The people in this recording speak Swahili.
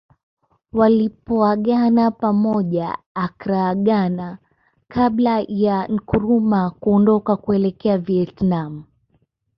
Walipoagana pamoja Accra Ghana kabla ya Nkrumah kuondoka kuelekea Vietnam